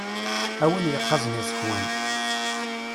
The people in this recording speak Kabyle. A win yeqqazen iẓekwan.